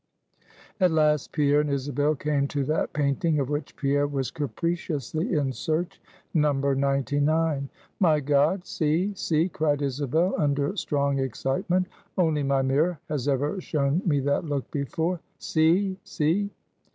At last Pierre and Isabel came to that painting of which Pierre was capriciously in search No. 99. "My God! see! see!" cried Isabel, under strong excitement, "only my mirror has ever shown me that look before! See! see!"